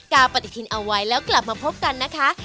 ปฏิทินเอาไว้แล้วกลับมาพบกันนะคะ